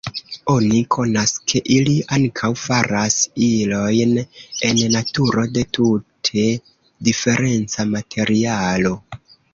Oni konas, ke ili ankaŭ faras ilojn en naturo de tute diferenca materialo.